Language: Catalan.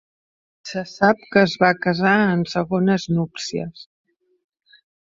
Se sap que es va casar en segones núpcies.